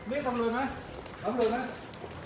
เอามา